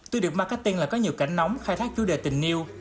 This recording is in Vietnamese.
tuy được marketing là có nhiều cảnh nóng khai thác chủ đề tình yêu